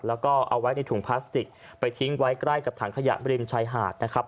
แล้วก็เอาไว้ในถุงพลาสติกไปทิ้งไว้ใกล้กับถังขยะบริมชายหาดนะครับ